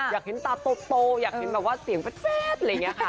อยากเห็นตาโตอยากเห็นแบบว่าเสียงแฟดอะไรอย่างนี้ค่ะ